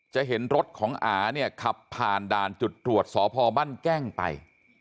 จะเห็นรถของอาเนี่ยขับผ่านด่านจุดตรวจสพบ้านแก้งไป